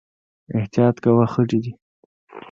احتياط کوه، خټې دي